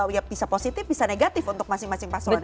ya bisa positif bisa negatif untuk masing masing pasokan ya mbak